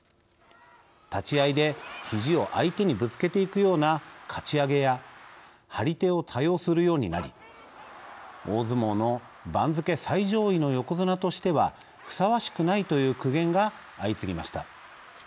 立ち合いでひじを相手にぶつけていくような「かち上げ」や張り手を多用するようになり「大相撲の番付最上位の横綱としてはふさわしくない」という苦言が相次ぎました。